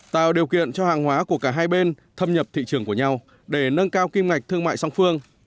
tạo điều kiện cho hàng hóa của cả hai bên thâm nhập thị trường của nhau để nâng cao kim ngạch thương mại song phương